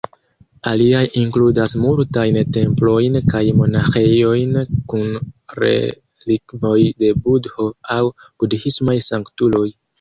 Aliaj inkludas multajn templojn kaj monaĥejojn kun relikvoj de Budho aŭ budhismaj sanktuloj.